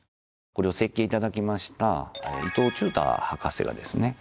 これを設計頂きました伊東忠太博士がですね